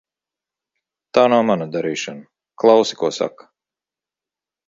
Tā nav mana darīšana. Klausi, ko saka.